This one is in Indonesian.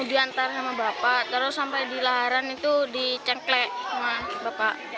diantar sama bapak terus sampai di laharan itu dicengklek sama bapak